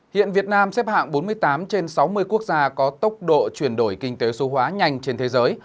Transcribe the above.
hiện việt nam xếp hạng bốn mươi tám trên sáu mươi quốc gia có tốc độ chuyển đổi kinh tế số hóa nhanh trên thế giới